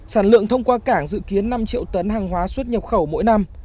sản lượng thông qua cảng dự kiến năm triệu tấn hàng hóa xuất nhập khẩu mỗi năm